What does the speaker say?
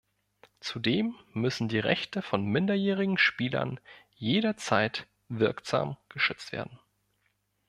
Zudem müssen die Rechte von minderjährigen Spielern jederzeit wirksam geschützt werden.